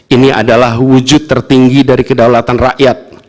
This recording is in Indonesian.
ini adalah wujud tertinggi dari kedaulatan rakyat